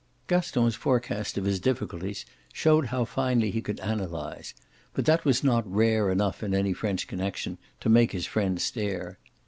Gaston's forecast of his difficulties showed how finely he could analyse; but that was not rare enough in any French connexion to make his friend stare.